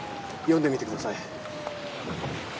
読んでみてください。